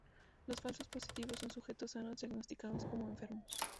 Los falsos positivos son sujetos sanos diagnosticados como enfermos.